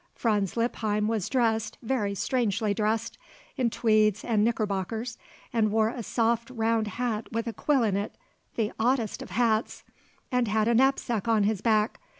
Franz Lippheim was dressed, very strangely dressed, in tweeds and knicker bockers and wore a soft round hat with a quill in it the oddest of hats and had a knapsack on his back.